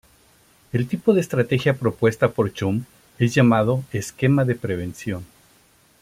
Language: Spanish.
El tipo de estrategia propuesta por Chum es llamado esquema de prevención.